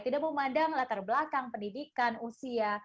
tidak memandang latar belakang pendidikan usia